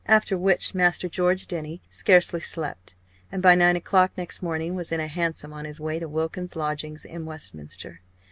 After which Master George Denny scarcely slept, and by nine o'clock next morning was in a hansom on his way to Wilkins's lodgings in Westminster.